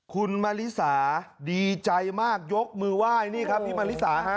คุณมะลิสาดีใจมากยกมือไหว้นี่ครับพี่มะลิสาฮะ